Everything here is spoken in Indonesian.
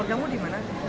keluargamu di mana